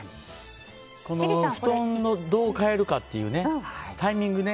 布団のどう替えるかというタイミングね。